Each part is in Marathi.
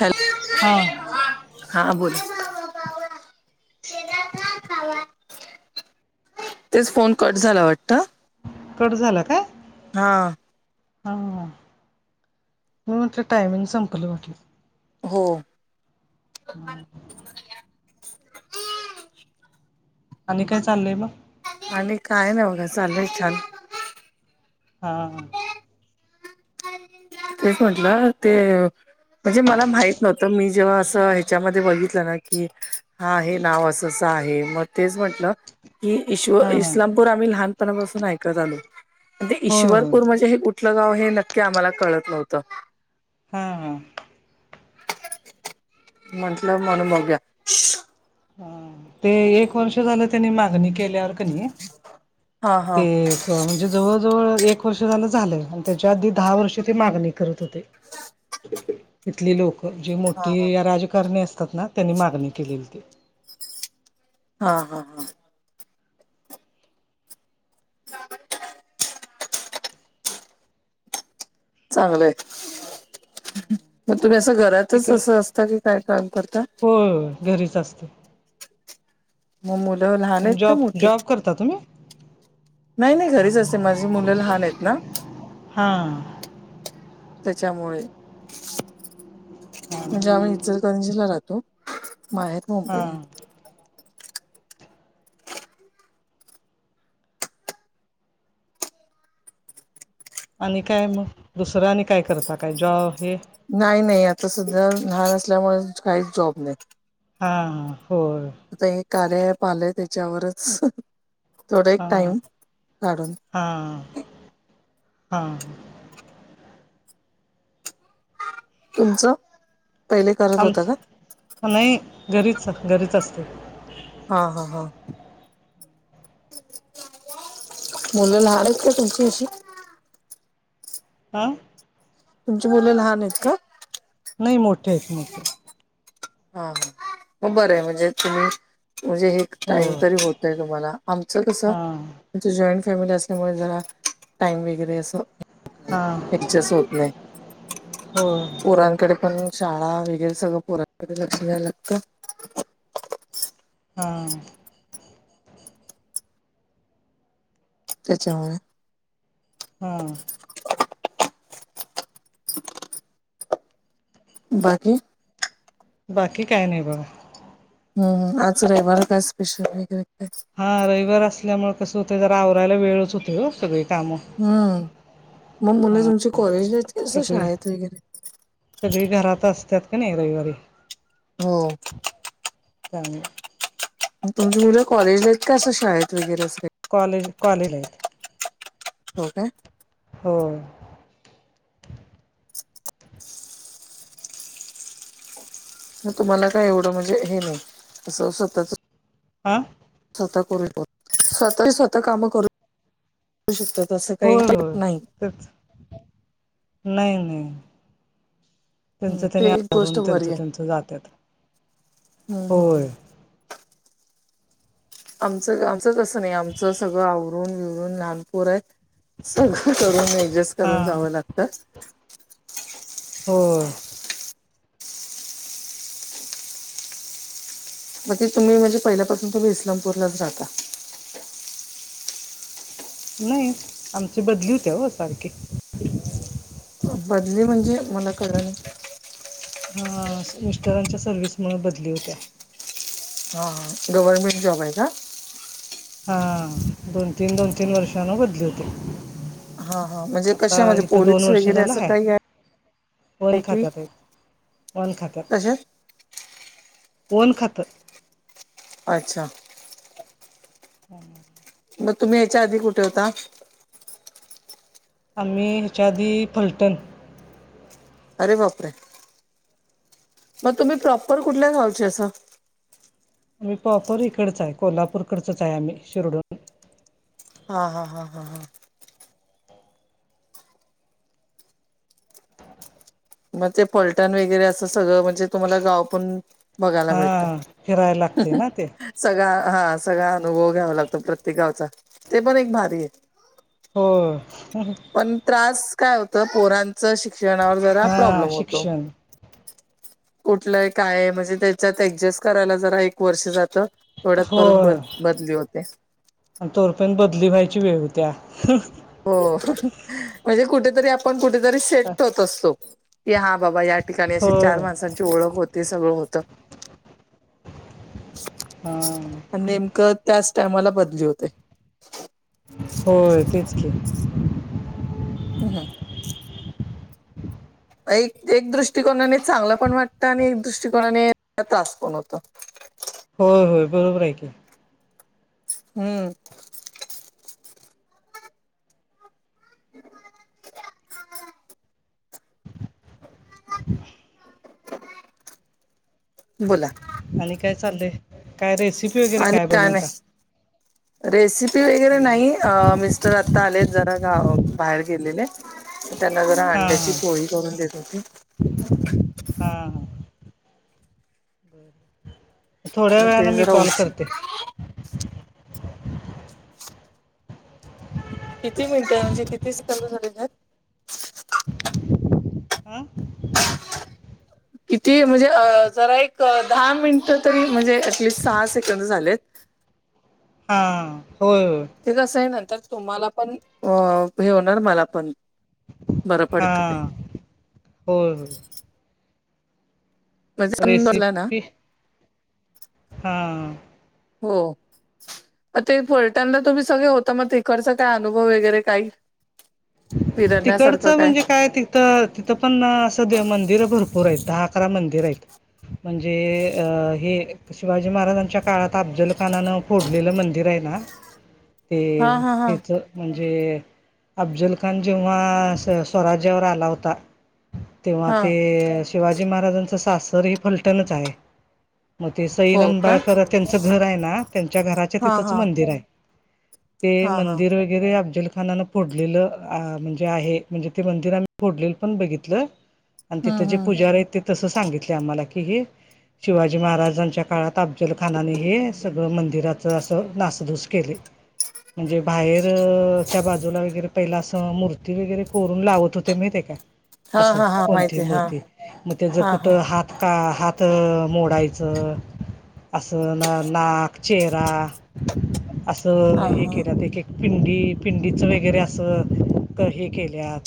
हॅ हां. हा बोल. [unintelligible] तेच फोन कट झाला वाटत. कट झाला का? हा. हां, फोनच टायमिंग संपलं वाटल. हो. [inaudible] आणि काय चाललंय मग? आणि काय नाही बघा चाललय छान. हा. तेच म्हटलं ते म्हणजे मला माहित नव्हतं, मी जेव्हा असं ह्याच्यामध्ये बघितलं ना की हा हे नाव असंं-असं आहे, मग तेच म्हंटलं कि ईश्व हा हा इस्लामपूर आम्ही लहानपणा पासून ऐकत आलो. पण ते होय होय ईश्वरपूर म्हणजे हे कुठलं गाव हे नक्की आम्हाला कळत नव्हतं. हम्म. म्हंटलं मला [unintelligible] द्या. ते एक वर्ष झालं त्यांनी मागणी केल्यावर क नी हा हा ते एक म्हणजे जवळ-जवळ एक वर्ष झालं- झालं, अन त्याच्या आधी दहा वर्षे ते मागणी करत होते. [inaudible] इथली लोकं जी हा मोठी हा राजकारणी असतात ना, त्यांनी मागणी केली होती. हा-हा-हां. [inaudible] चांगलंय. मग तुम्ही असं घरातच इकड असं असता की काय काम करता? होय घरीच असते. मग मुलं लहान आहेत का जॉब मोठी जॉब करता तुम्ही नाही मी घरीच असते, माझी मुलं लहान आहेत ना. हां. त्याच्यामुळे हा म्हणजे आम्ही इ पणजीला राहतो माहेर मुंबई हा आणि काय मग, दुसरं आणि काय करता काय जॉब- बिप नाही-नाही आता सध्या लहान असल्यामुळे काहीच जॉब नाही. हां हो. आता हे कार्य अँप आले त्याच्यावरच, थोड एक हां टाइम काढून. हां- हां. तुमचं, पहिले करत होता आमच का? नाही, घरीच-घरीच असते. हो हो हो. मुलं लहान आहेत का तुमची अशी? हां. तुमची मुले लहान हेत का? नई मोठे हेत मोठे. हा ह. म बरंय बरंय म्हणजे तुम्ही म्हणजे हे एक हो टाइम तरी होतय तुम्हाला. आमचं कस? हां आमची जॉईंट फॅमिली असल्यामुळे जरा टाइम वगैरे असं- होत नाही. हां एक्झेस होत नाही. हो पोरांकडे- म्हणून शाळा वगैरे सगळं पोरांकडे लक्ष द्यावं लागतं. हां. त्याच्यामुळे. हं. बाकी? बाकी काय नाही बाबा. हम्. आज रविवार काय स्पेशल [unintelligible] हां. रविवार असल्यामुळे कस होत जरा आवरायला वेळच होतोय हो सगळी कामं. हम्म. मग मुलं हा तुमची कॉलेजलाहेत? सगळी. सगळी घरात असत्यात का नाही रविवारी? हो. चांगलय. तुमची मुलं कॉलेजला आहेत क का असं शाळेत वगैरे अस? कॉलेज कॉलेजलायेत. हो का? हो. म तुम्हाला काय एवढं म्हणजे हे नाही. असं स्वतःच- हां? स्वतः करून. स्वतः स्वतः काम करून. होउ शकत. तसं काही होय होय [unintelligible] नाही. तेच नाही नाही. त्यांच त्यांनी ते एक गोष्ट आवरून त्यांच बरी आहे. त्यांच जात्यात. हम्म हो. हम्म आमचं आमचं तसं नाही. आमचं सगळं आवरून बिवरून लहान पोर आहेत. सगळं करून ऍडजेस्ट करून हां जावं लागत. हो. म ते तुम्ही म्हणजे पहिल्यापासून तुम्ही इस्लामपूरलाच राहता. नाही. आमची बदली होते ओ सारखी. बदली म्हणजे मला कळल नाही. हं. अस मिस्टरांच्या सर्व्हिसमुळे बदली होतेया. हा हा. गव्हर्नमेंट जॉब आहे का? हा. दोन तीन दोन तीन वर्षांन बदली होते. हा हा. म्हणजे कशामध्ये पोलीस वगैरे असं काही आहे? फोन की खात्यात ए. फोन खात्यात. कशात? फोन खातं. अच्छा. हं. मग तुम्ही याच्या आधी कुठे होता? आम्ही ह्याच्या आधी फलटण. अरे बापरे! मग तुम्ही प्रॉपर कुठल्या गावचे अस? आम्ही प्रॉपर इकडच आहे. कोल्हापूरकडचच आहे आम्ही शिरढोण. हा. हा. हा. हा. हा. म ते पलटण वगैरे असं सगळं म्हणजे तुम्हाला गाव पण- बघायला भेटतं. हां फिरायला लागते ना ते सगळा हा सगळा अनुभव घ्यावा लागतो प्रत्येक गावचा. ते पण एक भारी आहे. होय. पण त्रास काय होतं, पोरांच्या शिक्षणावर जरा हां प्रॉब्लेम होतो. शिक्षण कुठलं ये, काये, म्हणजे त्याच्यात ऍडजेस्ट करायला जरा एक वर्ष जातं. परत ब होय बदली होते आणि तोवर पण बदली व्हायची वेळ होत्या. हो म्हणजे कुठेतरी आपण कुठेतरी सेट होत असतो, की हा बाबा या एका वेळेस चार होय माणसांची ओळख होते सगळं होतं. हा आणि नेमकं त्याच टायमाला बदली होते. होय तेच की. ह हं एक एक दृष्टिकोनाने चांगलं पण वाटतं आणि एक दृष्टिकोनाने त्रास पण होतो. होय होय बरोबर आहे की. हम्म [unintelligible] [inaudible] [unintelligible] बोला. आणि काय चाललंय? काय रेस आणि काय नाहीं रेसी पी वगैरे हा नाही, मिस्टर आता आलेत जरा गाव बाहेर गेलेले. त्यांना जरा अंड्याची हा पोळी करून देत होते. हा थोड्या मग वेळने ते मी जरा कॉल उशी करते. किती मिळतं म्हणजे किती सेकंद झालेले आहेत. हा [inaudible] किती म्हणजे जरा एक दहा मिनटं तरी म्हणजे ऍटलिस्ट सहा सेकंद झालेत. हा होय होय. ते कसं आहे नंतर तुम्हाला पण हे होणार मला पण. बरं हा पडतं ते. होय म्हणजे समजला ना रेसिपी हा हो. अं ते फलटानला तुम्ही सगळे होता, मग तिकडचा काय अनुभव वगैरे काही. तिकडचं म्हणजे काय ते तेतं तिथं पण सध्या मंदिरं भरपूर आहेत.. दहा अकरा मंदिर आहेत म्हणजे अं हे शिवाजी महाराजांच्या काळात अफ्जल खानानं फोडलेलं मंदिर आहे ना [inaudible] ते हा हा हेचं म्हणजे अफ्जल खान जेव्हा स्वराज्यावर आला होता, तेव्हा हा ते शिवाजी महाराजांचं सासर ही फलटणच आहे. मग ते सई हो का नींबाळकर त्यांचं घर आहे ना, त्यांच्या घराच्या हा तिथंच हा. मंदिर आहे. ते हा हा मंदिर वगैरे अफजल खानानं फोडलेलं म्हणजे आहे म्हणजे ते मंदिर आम्हि फोडलेल पण बघितलं, आणि तिथ हम्म जे हम्म पूजारी आहेत ते तसं सांगितलं आम्हाला की हे शिवाजी महाराजांच्या काळात अफ्जल खानाने हे सग मंदिराचं असं नासधूस केले. म्हणजे बाहेरच्या बाजूला वगैरे पहिला असं मूर्ती वगैरे कोरून लावत होते माहिती हाय काय. हा असं हा हा कोणती माहिती आहे हा मूर्ती मग त्या ज हा कुठं हात का हात मोडायचं अस ना नाक चेहरा अस तर हा हा हे केल्यात एक- एक पिंडी पिंडीचं वगैरे असं तर हे केल्यात.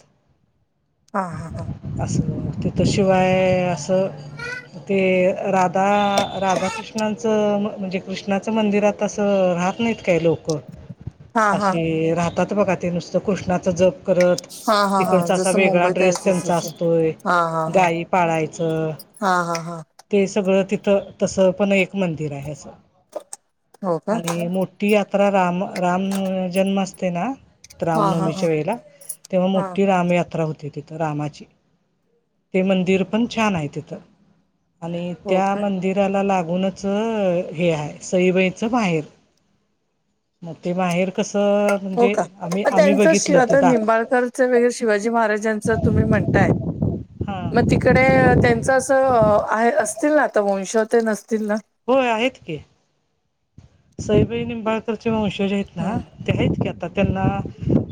हा -हा - हा. असं तिथशिवाय असं ते राधा -राधा कृष्णाचं म्हणजे कृष्णाचं मंदिरात असं राहत नाहीत काय लोक हा हा असे राहतात बघा ते नुसतं कृष्णाचं जप करत. हा हा हा तिकडचा असा जसं वेगळा मुंबईत आहे ड्रेस तसं त्यांचा तसं. असतोय हा हा हा गाई पाळायचं. हा - हा - हा. ते सगळं तिथं तसं पण एक मंदिर आहे. असं हो का आणि मोठ ती यात्रा राम- राम जन्म असते ना हा हा हा रामनवमीच्या वेळेला तेव्हा हा मोठी रामयात्रा होती. तिथं रामाची ते मंदिर पण छान आहे तिथं आणि हो त्या का मंदिराला लागूनच हे आहे. सईबाईचं माहेर मग ते माहेर कसं हो म्हणजे का आम्ही मग आम्ही त्यांचं शि बघितलं ते दाक [inaudible] शिवाजी महाराजांचं तुम्ही म्हणताय हा मग तिकडे त्यांच अस आहे असतील ना आता वंश ते नसतील ना. होय आहेत की. सईबाई निंबाळकरचे वंशज आहेत ना हम्म ते आहेत की आता त्यांना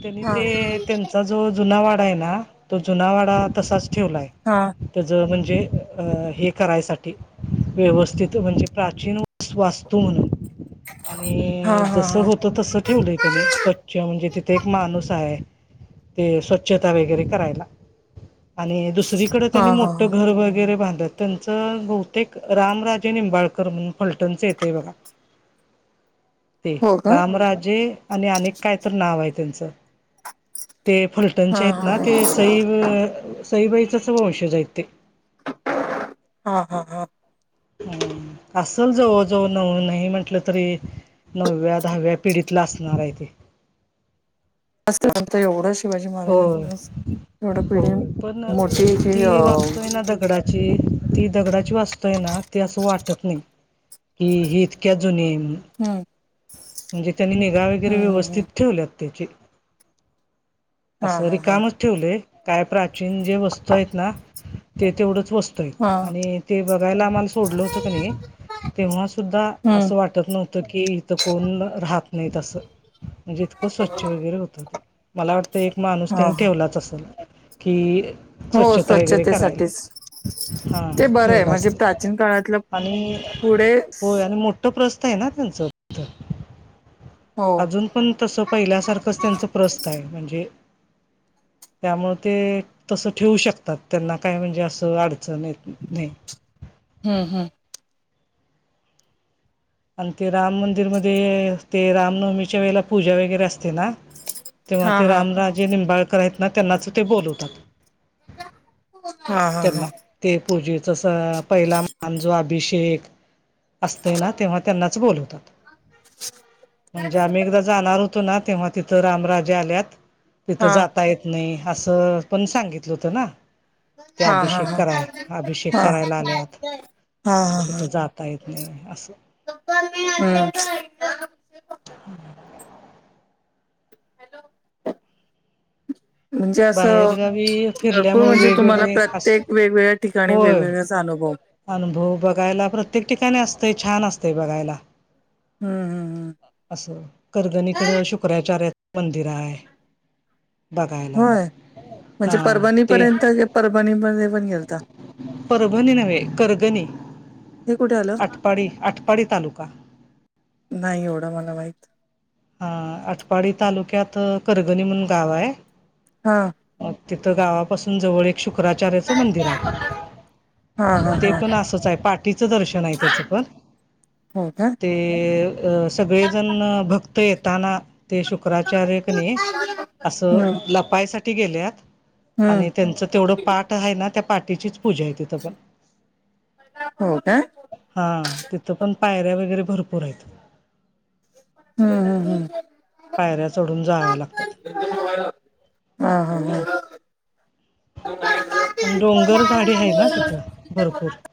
त्यांनी हा ते त्यांचा जो जुना वाडा आहे ना. तो जुना वाडा तसाच ठेवलाय. हा. त्याचं म्हणजे हे करायसाठी व्यवस्थित म्हणजे प्राचीन वास्तू म्हणून हा आणि हा जसं हा होत तस ठेवलंय त्यानी. स्वच्छ म्हणजे तिथे एक माणूस आहे. ते स्वच्छता वगैरे करायला. आणि दुसरीकडे हा त्यांनी हा मोठं हा घर वगैरे बांधत त्यांचं बहुतेक रामराजे निंबाळकर म्हणून फलटणचं येतय बघा. ते हो का रामराजे आणि आणि एक काय तर नाव आहे. त्यांचं ते हा फलटणचे आहेत हा ना. हा ते सई सईबाईचच वंशज आहेत ते. हा -हा - हा. असल जवळ -जवळ नऊ नाही म्हंटलं तरी नवव्या दहाव्या पिढीतला असणार आहे ते. [unintelligible] एवढं शिवाजी होय महाराजांच अस एवढ पिढी होय पण मोठी ती आ. जी ती दगडाची वास्तू आहे ना ती असं वाटत नाही. कि हे इतक्या जुनी आहे. हम्म. म्हणजे त्यांनी निगा वगैरे हम्म हम्म व्यवस्थित हम्म ठेवल्यात त्याची हा असं हा हा रिकामच ठेवले काय प्राचीन जे वस्तू आहेत ना. ते तेवढंच वस्त हा आणि ते बघायला आम्हाला सोडलं होतं क नाही, तेव्हा सुद्धा हम्म असं वाटं त नव्हतं की इथं कोणं राहत नाहीत आसं म्हणजे इतकं स्वच्छ वगैरे होतं ते, मला वाटतं तो एक माणूस हा त्यांनी हा ठेवलाच असलं... की हो स्वच्छता वगैरे करायला स्वच्छतेसाठीच ते हा बरं आहे ठेवला म्हणजे असलं... प्राचीन काळातलं आणि... पुढे होय आणि मो ठ प्रस्तय ना तुमच.... हो अजून पण तसं पहिल्यासारखंच त्यांचं प्रस्तय म्हणजे त्यामुळ ते तसं ठेवू शकतात त्यांना काय म्हणजे असं अडचण येत नाही हम्म हम्म अनं ते राम मंदिरमध्ये ते रामनवमीच्या वेळेला पूजा वगैरे असते ना तेव्हा हा ते हा रामराजे निंबाळकर आहेत ना त्यांनाच ते बोलवतात. हा हा त्यांना हा ते पूजेचं सगळा पहिला मान जो अभिषेक... असते ना तेव्हा त्यांनाचं बोलवतात.... म्हणजे आम्ही एकदाचं जाणार होतो ना तेव्हा तिथं रामराजे आल्यात, तिथं हा जात ता येत नाही असं पण सांगितलं होत ना ते हा हा हा हा अभिषेक कराय अभिषेक हा करायला आल्यात, हा हा हा तिथं जात ता येत नाही, असं [unintelligible] हम् ह [inaudible] म्हणजे असं, बाहेरगावी भरपूर फिरल्यामुळे म्हणजे तुम्हाला वेगवेगळे अस प्रत्येक वेगवेगळ्या ठिकाणी होय वेगवेगळ्या चा अनुभवं अनुभव बघायला प्रत्येक ठिकाणी असतय छान असतय बघायला हम हम असं करगनीकडं शुक्राचार्याच मंदिर आहे बघायला होय हा म्हणजे परभणी ते.... पर्यंत परभणी मध्ये पण गेलता परभणी नव्हे करगनी.... हे कुठे आलं आटपाडी आटपाडी तालुका नाही एवढं मला माहित हा आटपाडी तालुक्यात करगणी म्हणून गाव आहे हां अ तिथं गावापासून जवळ एक शुक्राचार्याचं मंदिर आहे हा हा ते हा पण असंच आहे पाठीचं दर्शन आहे त्याचं पण हो का ते अ सगळेजण भक्त येताना ते शुक्राचार्य क नही असं हम्म लपायसाठी गेल्यात हम्म आणि त्यांचं तेवढं पाठ हाय ना त्या पाठीचीच पूजाय तिथं पण हो का हम्म हा तिथं पण पायऱ्या वगैरे भरपूरं आहेत हम्म हम् हम् पायऱ्या चढून जाव्या लागतात [unintelligible] हा हा हा अनं डोंगर झाडी हाय ना तिथं भरपूर